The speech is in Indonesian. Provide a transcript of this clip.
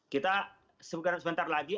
kita sebentar lagi